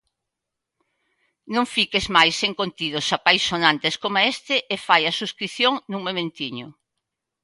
Non fiques máis sen contidos apaixonantes coma este e fai a subscrición nun momentiño!